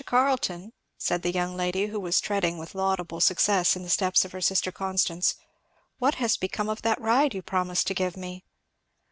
Carleton," said the young lady, who was treading with laudable success in the steps of her sister Constance, "what has become of that ride you promised to give me?"